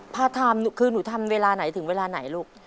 ถ้าทำคือหนูทำเวลาไหนถึงเวลาไหนลูก